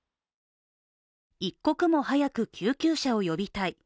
一刻も早く救急車を呼びたい。